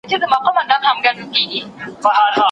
مستوم په کندهار کي شالمار د اتڼونو